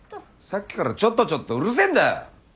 さっきから「ちょっと」「ちょっと」うるせぇんだよ！